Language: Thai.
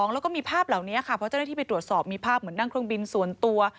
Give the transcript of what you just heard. แล้วก็มีภาพเหล่านี้ค่ะเพราะเจ้าหน้าที่ไปตรวจสอบมีภาพเหมือนนั่งเครื่องบินส่วนตัว